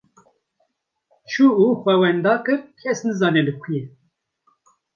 Çû û xwe wenda kir, kes nizane li ku ye.